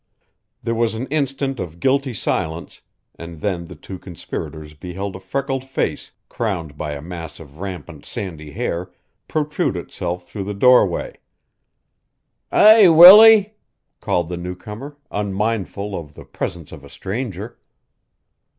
There was an instant of guilty silence, and then the two conspirators beheld a freckled face, crowned by a mass of rampant sandy hair, protrude itself through the doorway. "Hi, Willie!" called the newcomer, unmindful of the presence of a stranger.